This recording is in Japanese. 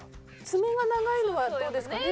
爪が長いのはどうですかね？